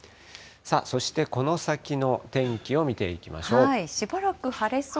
そしてこの先の天気を見ていきましょう。